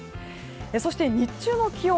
そして日中の気温